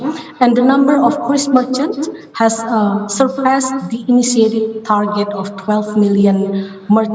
jadi kita bisa mengatakan bahwa sejauh hari ini ada lima belas juta penjualan kriz